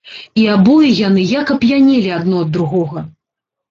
І абое яны як ап'янелі адно ад другога.